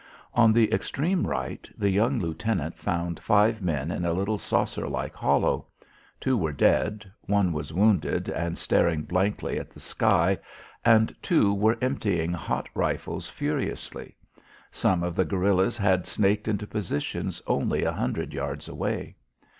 On the extreme right, the young lieutenant found five men in a little saucer like hollow. Two were dead, one was wounded and staring blankly at the sky and two were emptying hot rifles furiously. Some of the guerillas had snaked into positions only a hundred yards away.